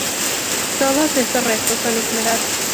Todos estos restos son ignorados.